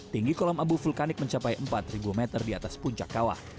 tinggi kolam abu vulkanik mencapai empat meter di atas puncak kawah